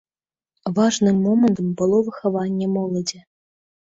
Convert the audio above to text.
Важным момантам было выхаванне моладзі.